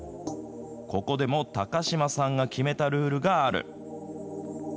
ここでも高嶋さんが決めたルールがある。